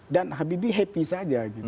dan habibie happy saja